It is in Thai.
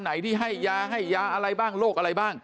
ไหนที่ให้ยาให้ยาอะไรบ้างโรคอะไรบ้าง